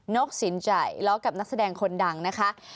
กสินใจล้อกับนักแสดงคนดังนะคะ